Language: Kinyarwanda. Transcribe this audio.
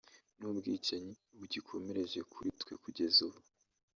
n’ubwicanyi bugikomereje kuri twe kugeza ubu